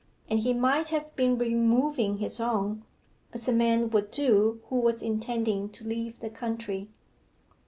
And he might have been removing his own, as a man would do who was intending to leave the country.